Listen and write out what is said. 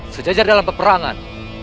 sejajar dalam peperangan